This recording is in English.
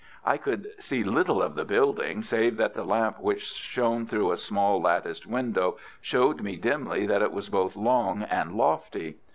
I could see little of the building save that the lamp which shone through a small latticed window showed me dimly that it was both long and lofty.